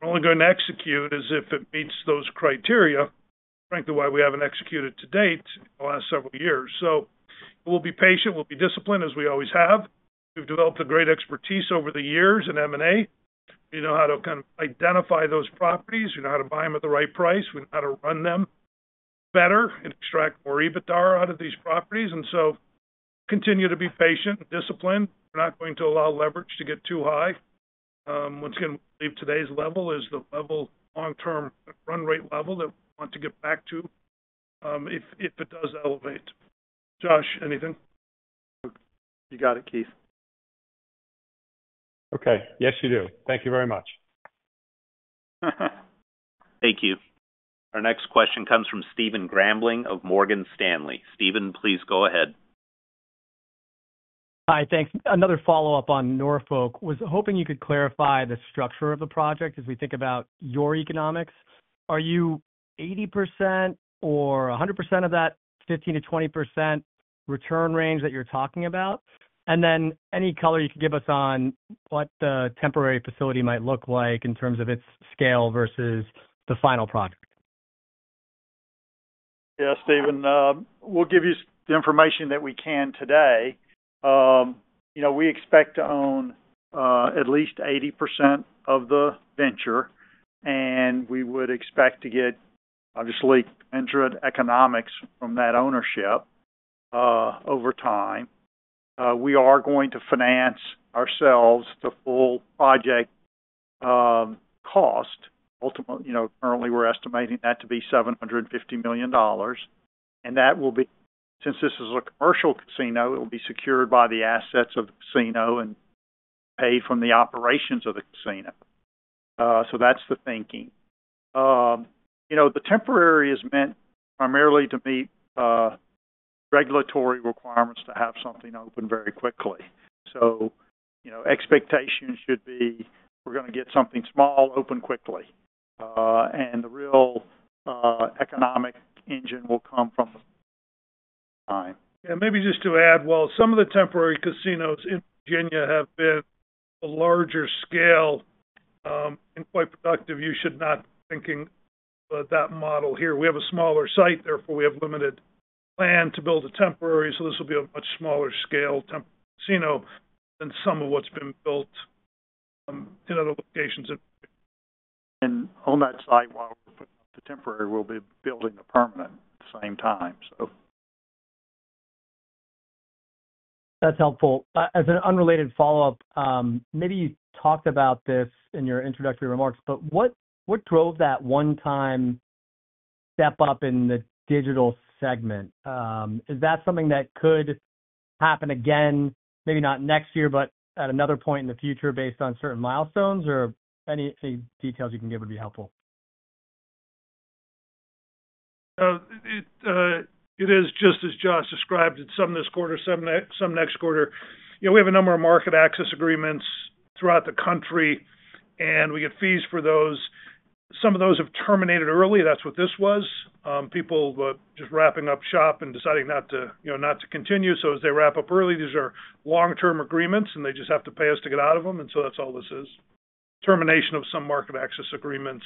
we're only going to execute as if it meets those criteria, frankly, why we haven't executed to date in the last several years. So we'll be patient, we'll be disciplined, as we always have. We've developed a great expertise over the years in M&A. We know how to kind of identify those properties, we know how to buy them at the right price, we know how to run them better and extract more EBITDA out of these properties. And so continue to be patient and disciplined. We're not going to allow leverage to get too high. Once again, believe today's level is the level, long-term run rate level that we want to get back to, if it does elevate. Josh, anything? You got it, Keith. Okay. Yes, you do. Thank you very much. Thank you. Our next question comes from Stephen Grambling of Morgan Stanley. Steven, please go ahead. Hi. Thanks. Another follow-up on Norfolk. Was hoping you could clarify the structure of the project as we think about your economics. Are you 80% or 100% of that 15%-20% return range that you're talking about? And then, any color you could give us on what the temporary facility might look like in terms of its scale versus the final product? Yeah, Steven, we'll give you the information that we can today. You know, we expect to own at least 80% of the venture, and we would expect to get, obviously, equity economics from that ownership over time. We are going to finance ourselves the full project cost. Ultimately, you know, currently, we're estimating that to be $750 million, and that will be. Since this is a commercial casino, it will be secured by the assets of the casino and paid from the operations of the casino. So that's the thinking. You know, the temporary is meant primarily to meet regulatory requirements to have something open very quickly. So, you know, expectations should be, we're gonna get something small open quickly, and the real economic engine will come from. Maybe just to add, while some of the temporary casinos in Virginia have been a larger scale, and quite productive, you should not be thinking about that model here. We have a smaller site, therefore, we have limited plan to build a temporary, so this will be a much smaller scale temp casino than some of what's been built, in other locations in Virginia. On that site, while we're putting up the temporary, we'll be building the permanent at the same time. That's helpful. As an unrelated follow-up, maybe you talked about this in your introductory remarks, but what drove that one time step up in the digital segment? Is that something that could happen again, maybe not next year, but at another point in the future based on certain milestones? Or any details you can give would be helpful. It is just as Josh described. It's some this quarter, some next quarter. You know, we have a number of market access agreements throughout the country, and we get fees for those. Some of those have terminated early. That's what this was. People just wrapping up shop and deciding not to, you know, not to continue. As they wrap up early, these are long-term agreements, and they just have to pay us to get out of them, and so that's all this is. Termination of some market access agreements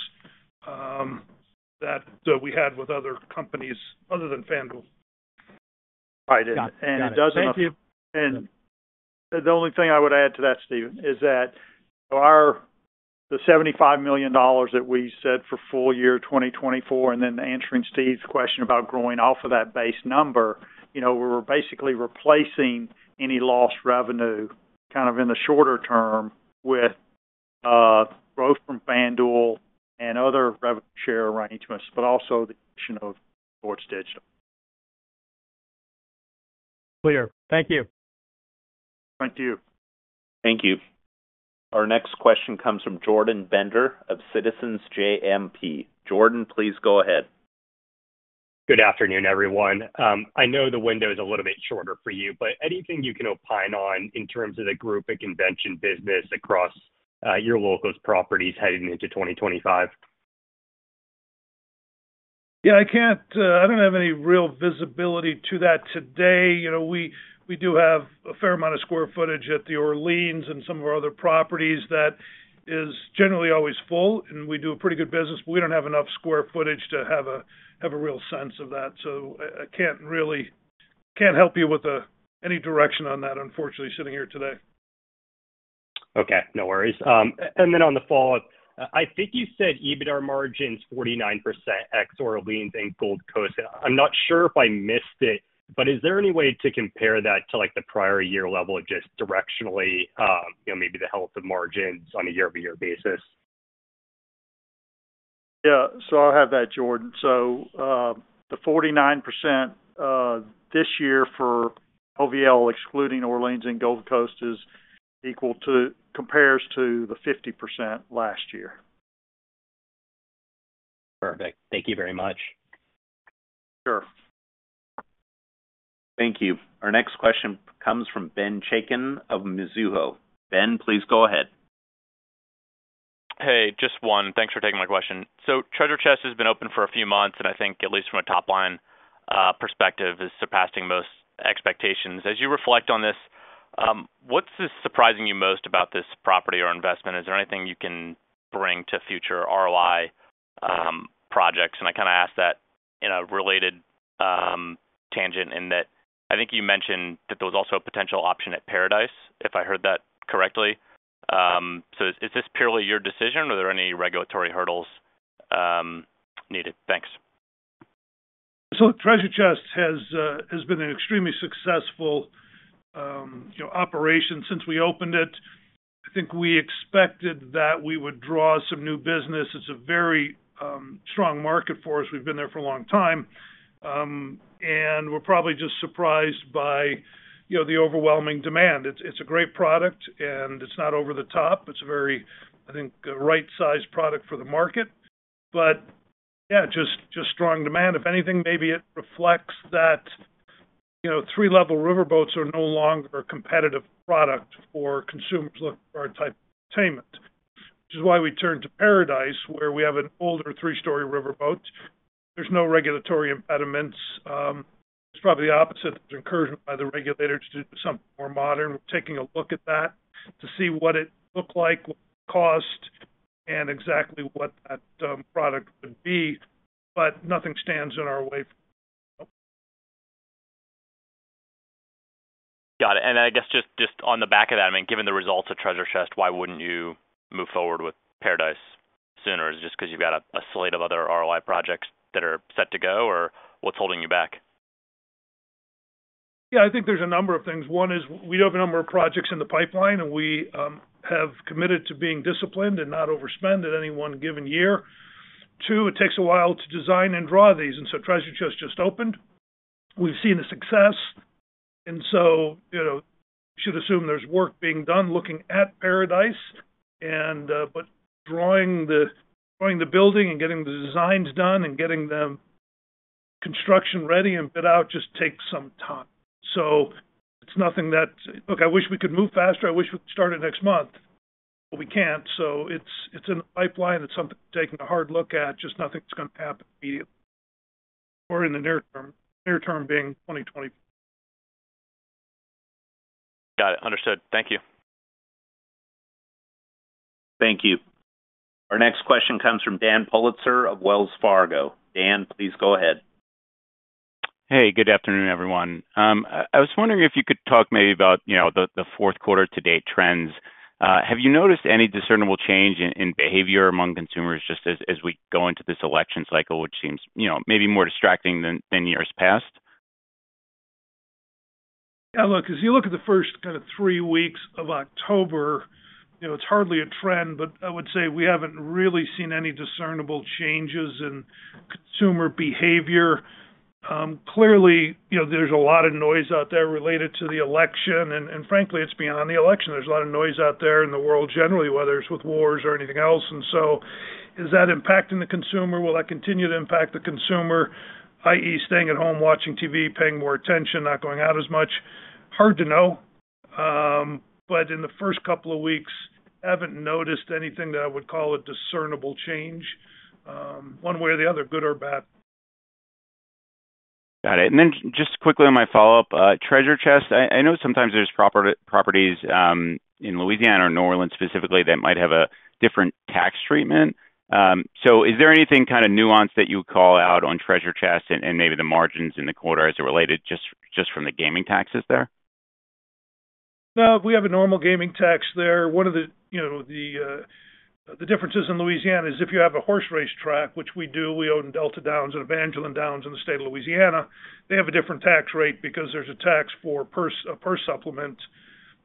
that we had with other companies other than FanDuel. All right. Got it. [CROSSTALK] Thank you. The only thing I would add to that, Stephen, is that our, the $75 million that we said for full year 2024, and then answering Steve's question about growing off of that base number, you know, we're basically replacing any lost revenue, kind of, in the shorter term with growth from FanDuel and other revenue share arrangements, but also the growth of Resorts Digital. Clear. Thank you. Thank you. Thank you. Our next question comes from Jordan Bender of Citizens JMP. Jordan, please go ahead. Good afternoon, everyone. I know the window is a little bit shorter for you, but anything you can opine on in terms of the group and convention business across your locals properties heading into 2025? Yeah, I can't. I don't have any real visibility to that today. You know, we do have a fair amount of square footage at the Orleans and some of our other properties that is generally always full, and we do a pretty good business. We don't have enough square footage to have a real sense of that. So I can't really help you with any direction on that, unfortunately, sitting here today. Okay, no worries. And then on the follow-up, I think you said EBITDA margins 49% ex Orleans and Gold Coast. I'm not sure if I missed it, but is there any way to compare that to, like, the prior year level, just directionally, you know, maybe the health of margins on a year-over-year basis? Yeah. So I'll have that, Jordan. So, the 49% this year for LVL, excluding Orleans and Gold Coast, is equal to, compares to the 50% last year. Perfect. Thank you very much. Sure. Thank you. Our next question comes from Ben Chaiken of Mizuho. Ben, please go ahead. Hey, just one. Thanks for taking my question. So Treasure Chest has been open for a few months, and I think at least from a top line, perspective, is surpassing most expectations. As you reflect on this, what's surprising you most about this property or investment? Is there anything you can bring to future ROI, projects? And I kind of ask that in a related, tangent, in that I think you mentioned that there was also a potential option at Par-A-Dice, if I heard that correctly. So is this purely your decision, or are there any regulatory hurdles, needed? Thanks. So Treasure Chest has been an extremely successful, you know, operation since we opened it. I think we expected that we would draw some new business. It's a very strong market for us. We've been there for a long time, and we're probably just surprised by, you know, the overwhelming demand. It's a great product, and it's not over the top. It's a very, I think, a right-sized product for the market. But yeah, just strong demand. If anything, maybe it reflects that, you know, three-level riverboats are no longer a competitive product for consumers looking for a type of entertainment. Which is why we turned to Par-A-Dice, where we have an older three-story riverboat. There's no regulatory impediments. It's probably the opposite. There's encouragement by the regulators to do something more modern. We're taking a look at that to see what it look like, what it cost, and exactly what that, product would be, but nothing stands in our way. Got it and I guess just on the back of that, I mean, given the results of Treasure Chest, why wouldn't you move forward with Par-A-Dice sooner? Is it just because you've got a slate of other ROI projects that are set to go, or what's holding you back? Yeah, I think there's a number of things. One is, we have a number of projects in the pipeline, and we have committed to being disciplined and not overspend at any one given year. Two, it takes a while to design and draw these, and so Treasure Chest just opened. We've seen the success, and so you know, should assume there's work being done looking at Par-A-Dice and, but drawing the building and getting the designs done and getting them construction-ready and bid out just takes some time. So it's nothing that. Look, I wish we could move faster. I wish we could start it next month, but we can't. So it's, it's in the pipeline. It's something we're taking a hard look at. Just nothing that's going to happen immediately or in the near term. Near term being 2024. Got it. Understood. Thank you. Thank you. Our next question comes from Dan Politzer of Wells Fargo. Dan, please go ahead. Hey, good afternoon, everyone. I was wondering if you could talk maybe about, you know, the fourth quarter to-date trends. Have you noticed any discernible change in behavior among consumers just as we go into this election cycle, which seems, you know, maybe more distracting than years past? Yeah, look, as you look at the first kind of three weeks of October, you know, it's hardly a trend, but I would say we haven't really seen any discernible changes in consumer behavior. Clearly, you know, there's a lot of noise out there related to the election, and frankly, it's beyond the election. There's a lot of noise out there in the world generally, whether it's with wars or anything else, and so is that impacting the consumer? Will that continue to impact the consumer, i.e., staying at home, watching TV, paying more attention, not going out as much? Hard to know, but in the first couple of weeks, I haven't noticed anything that I would call a discernible change, one way or the other, good or bad. Got it. And then just quickly on my follow-up, Treasure Chest, I know sometimes there's properties in Louisiana or New Orleans specifically, that might have a different tax treatment. So is there anything kind of nuance that you call out on Treasure Chest and maybe the margins in the quarter as it related just from the gaming taxes there? No, we have a normal gaming tax there. One of the, you know, differences in Louisiana is if you have a horse race track, which we do, we own Delta Downs and Evangeline Downs in the state of Louisiana, they have a different tax rate because there's a tax for purse, a purse supplement.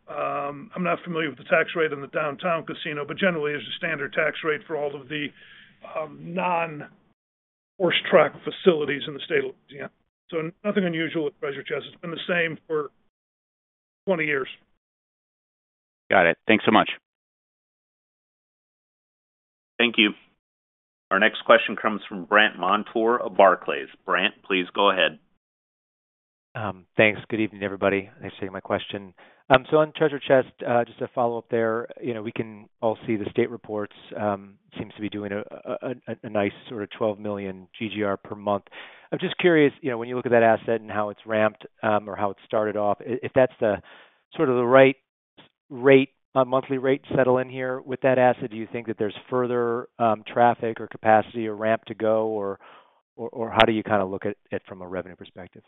I'm not familiar with the tax rate in the downtown casino, but generally, it's a standard tax rate for all of the non-horse track facilities in the state of Louisiana. So nothing unusual with Treasure Chest. It's been the same for twenty years. Got it. Thanks so much. Thank you. Our next question comes from Brandt Montour of Barclays. Brandt, please go ahead. Thanks. Good evening, everybody. Thanks for taking my question. So on Treasure Chest, just to follow up there, you know, we can all see the state reports, seems to be doing a nice sort of twelve million GGR per month. I'm just curious, you know, when you look at that asset and how it's ramped, or how it started off, if that's the sort of the right rate, monthly rate to settle in here with that asset, do you think that there's further, traffic or capacity or ramp to go, or how do you kind of look at it from a revenue perspective?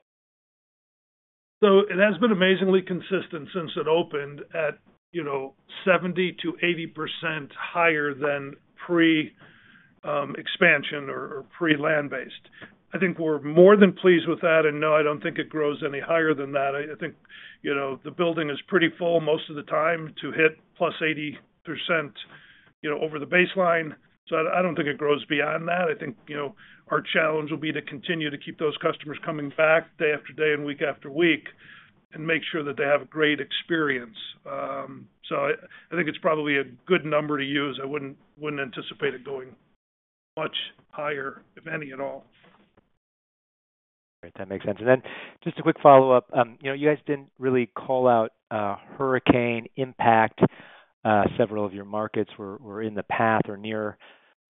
So it has been amazingly consistent since it opened at, you know, 70%-80% higher than pre-expansion or pre-land-based. I think we're more than pleased with that, and, no, I don't think it grows any higher than that. I think, you know, the building is pretty full most of the time to hit 80%+, you know, over the baseline. So I don't think it grows beyond that. I think, you know, our challenge will be to continue to keep those customers coming back day after day and week after week and make sure that they have a great experience. So I think it's probably a good number to use. I wouldn't anticipate it going much higher, if any at all. Great, that makes sense. And then just a quick follow-up. You know, you guys didn't really call out hurricane impact. Several of your markets were in the path or near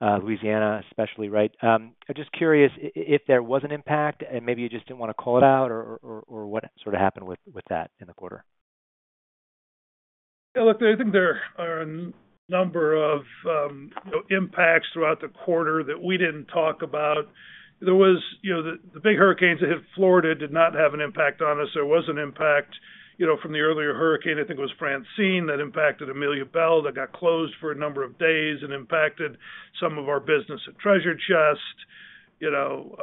Louisiana, especially, right? I'm just curious if there was an impact, and maybe you just didn't want to call it out, or what sort of happened with that in the quarter? Yeah, look, I think there are a number of impacts throughout the quarter that we didn't talk about. There was. You know, the big hurricanes that hit Florida did not have an impact on us. There was an impact, you know, from the earlier hurricane, I think it was Francine, that impacted Amelia Belle, that got closed for a number of days and impacted some of our business at Treasure Chest. You know,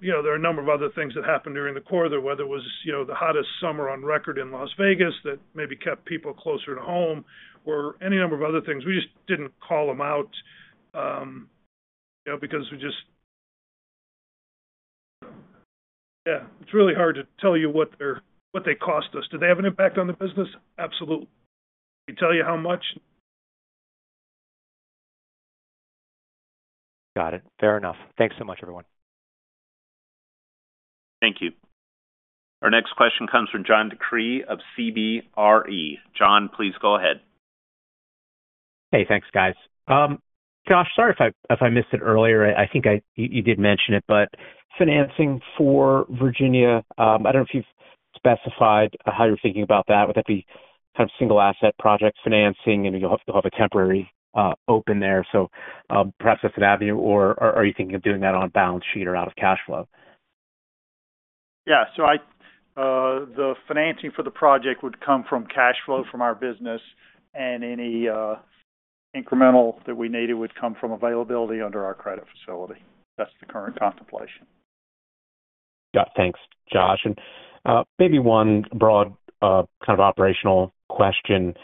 you know, there are a number of other things that happened during the quarter, whether it was, you know, the hottest summer on record in Las Vegas, that maybe kept people closer to home or any number of other things. We just didn't call them out, you know, because we just. Yeah, it's really hard to tell you what they cost us. Do they have an impact on the business? Absolutely. Can I tell you how much? Got it. Fair enough. Thanks so much, everyone. Thank you. Our next question comes from John DeCree of CBRE. John, please go ahead. Hey, thanks, guys. Josh, sorry if I missed it earlier. I think you did mention it, but financing for Virginia, I don't know if you've specified how you're thinking about that. Would that be kind of single asset project financing, and you'll have a temporary open there, so perhaps that's an avenue, or are you thinking of doing that on balance sheet or out of cash flow? Yeah. So, the financing for the project would come from cash flow from our business, and any incremental that we needed would come from availability under our credit facility. That's the current contemplation. Yeah. Thanks, Josh. And maybe one broad kind of operational question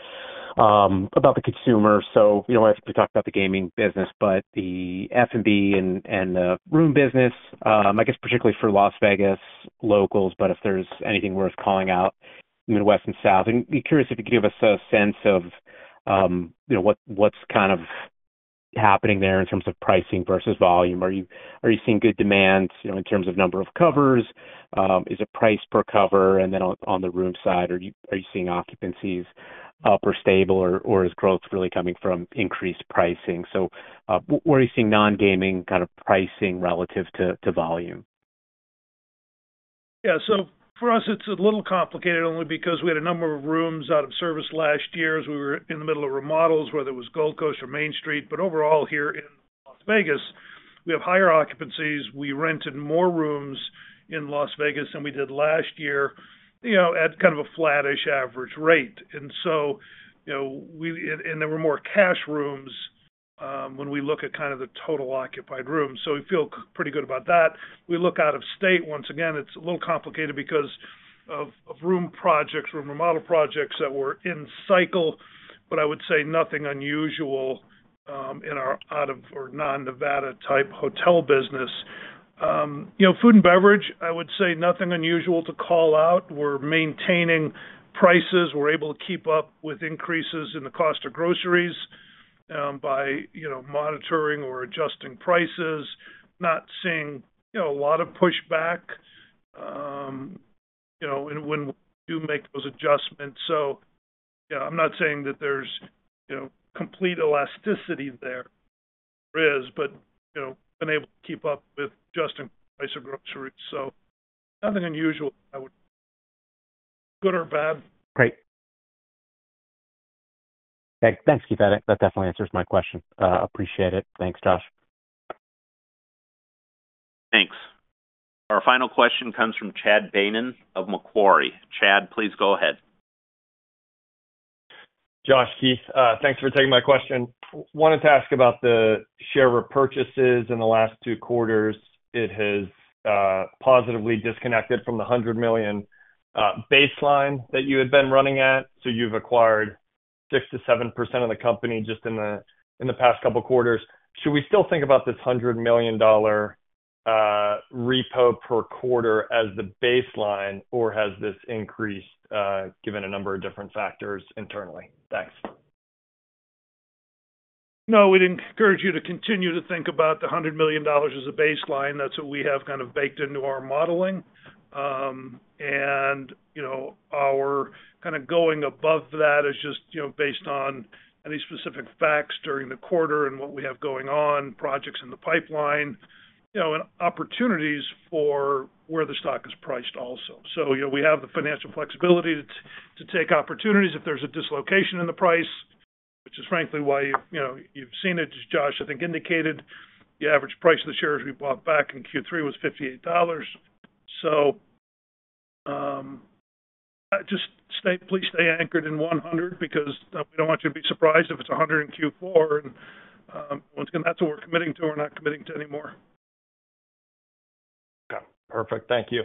about the consumer. So you know, we talked about the gaming business, but the F&B and room business, I guess particularly for Las Vegas locals, but if there's anything worth calling out, Midwest and South. And be curious if you could give us a sense of you know, what's kind of happening there in terms of pricing versus volume. Are you seeing good demand, you know, in terms of number of covers? Is it price per cover? And then on the room side, are you seeing stable occupancies, or is growth really coming from increased pricing? So where are you seeing non-gaming kind of pricing relative to volume? Yeah. So for us, it's a little complicated only because we had a number of rooms out of service last year as we were in the middle of remodels, whether it was Gold Coast or Main Street. But overall, here in Las Vegas, we have higher occupancies. We rented more rooms in Las Vegas than we did last year, you know, at kind of a flattish average rate. And so, you know, we and there were more cash rooms when we look at kind of the total occupied rooms. So we feel pretty good about that. We look out of state, once again, it's a little complicated because of room projects, room remodel projects that were in cycle, but I would say nothing unusual in our out of or non-Nevada type hotel business. You know, food and beverage, I would say nothing unusual to call out. We're maintaining prices. We're able to keep up with increases in the cost of groceries, by, you know, monitoring or adjusting prices. Not seeing, you know, a lot of pushback, you know, and when we do make those adjustments. So, you know, I'm not saying that there's, you know, complete elasticity there. There is, but, you know, been able to keep up with adjusting price of groceries, so nothing unusual, I would good or bad. Great. Thanks, Keith. That definitely answers my question. Appreciate it. Thanks, Josh. Thanks. Our final question comes from Chad Beynon of Macquarie. Chad, please go ahead. Josh, Keith, thanks for taking my question. Wanted to ask about the share repurchases in the last two quarters. It has positively disconnected from the $100 million baseline that you had been running at, so you've acquired 6%-7% of the company just in the past couple quarters. Should we still think about this $100 million repo per quarter as the baseline, or has this increased given a number of different factors internally? Thanks. No, we'd encourage you to continue to think about the $100 million as a baseline. That's what we have kind of baked into our modeling. And, you know, our kind of going above that is just, you know, based on any specific facts during the quarter and what we have going on, projects in the pipeline, you know, and opportunities for where the stock is priced also. So, you know, we have the financial flexibility to take opportunities if there's a dislocation in the price, which is frankly why, you know, you've seen it, as Josh, I think, indicated, the average price of the shares we bought back in Q3 was $58. Please stay anchored in $100 million, because we don't want you to be surprised if it's $100 million in Q4, and once again, that's what we're committing to we're not committing to any more. Yeah, perfect. Thank you.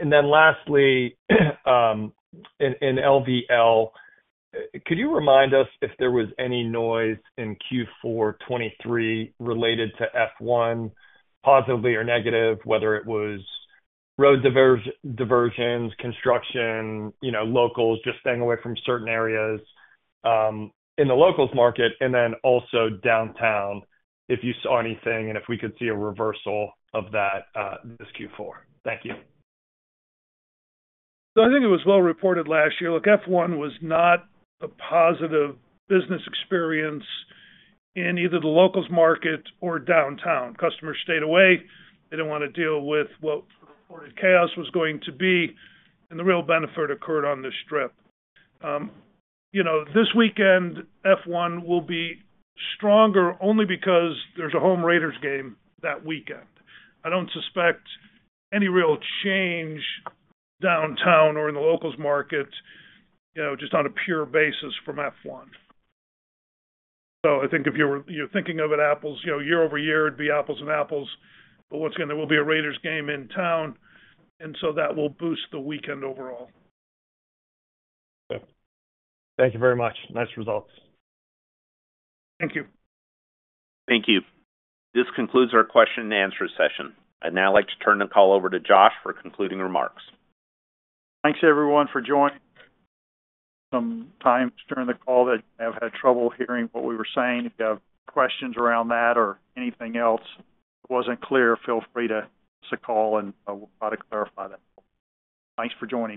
And then lastly, in LVL, could you remind us if there was any noise in Q4 2023 related to F1, positively or negative, whether it was road diversions, construction, you know, locals just staying away from certain areas, in the locals market and then also downtown, if you saw anything and if we could see a reversal of that, this Q4? Thank you. So I think it was well reported last year. Look, F1 was not a positive business experience in either the locals market or downtown. Customers stayed away. They didn't want to deal with what the reported chaos was going to be, and the real benefit occurred on the Strip. You know, this weekend, F1 will be stronger only because there's a home Raiders game that weekend. I don't suspect any real change downtown or in the locals market, you know, just on a pure basis from F1. So I think if you were, you're thinking of it, apples, you know, year over year, it'd be apples and apples, but what's gonna... There will be a Raiders game in town, and so that will boost the weekend overall. Thank you very much. Nice results. Thank you. Thank you. This concludes our question and answer session. I'd now like to turn the call over to Josh for concluding remarks. Thanks, everyone, for joining. Sometimes during the call that you have had trouble hearing what we were saying. If you have questions around that or anything else that wasn't clear, feel free to give us a call and we'll try to clarify that. Thanks for joining.